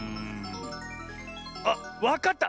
あっわかった！